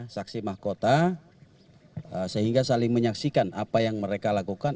saksi mahkota sehingga saling menyaksikan apa yang mereka lakukan